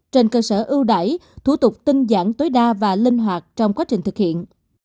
trên cơ sở ưu đẩy thủ tục tinh dạng tối đa và linh hoạt trong quá trình thực hiện